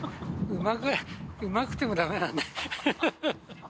うまくてもだめなんだよ。